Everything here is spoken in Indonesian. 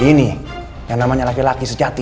ini yang namanya laki laki sejati